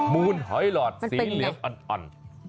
มูลหอยหลอดสีเหลืองอ่อน